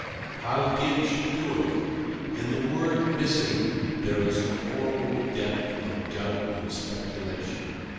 How did she do it? In the word "missing" there is a horrible depth of doubt and speculation.